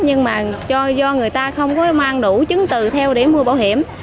nhưng mà do người ta không có mang đủ chứng từ theo để mua bảo hiểm